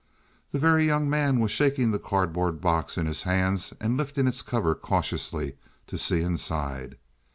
The Very Young Man was shaking the cardboard box in his hands and lifting its cover cautiously to see inside.